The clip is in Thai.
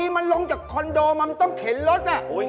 มันต้องเขนรถอ่ะ